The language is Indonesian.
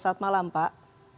selamat malam pak